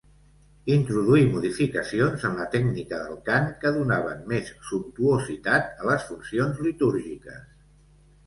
Introduí modificacions en la tècnica del cant que donaven més sumptuositat a les funcions litúrgiques.